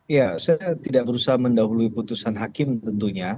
ya saya tidak berusaha mendahului putusan hakim tentunya